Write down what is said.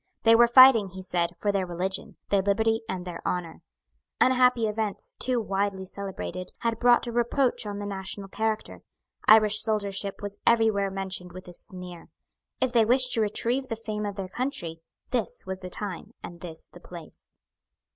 They were fighting, he said, for their religion, their liberty and their honour. Unhappy events, too widely celebrated, had brought a reproach on the national character. Irish soldiership was every where mentioned with a sneer. If they wished to retrieve the fame of their country, this was the time and this the place.